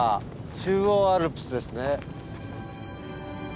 中央アルプスですね。